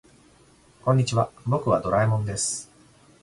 こんにちは、僕はドラえもんです。